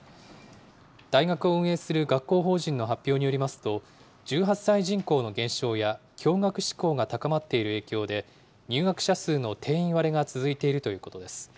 大学を運営する学校法人の発表によりますと、１８歳人口の減少や共学志向が高まっている影響で、入学者数の定員割れが続いているということです。